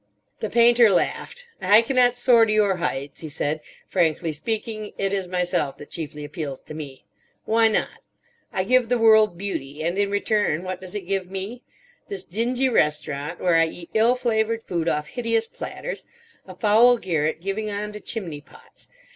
The Painter laughed. "I cannot soar to your heights," he said. "Frankly speaking, it is myself that chiefly appeals to me. Why not? I give the world Beauty, and in return what does it give me? This dingy restaurant, where I eat ill flavoured food off hideous platters, a foul garret giving on to chimney pots.